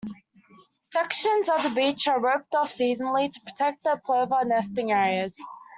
Sections of the beach are roped off seasonally to protect the plover nesting areas.